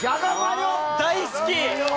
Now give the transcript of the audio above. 大好き！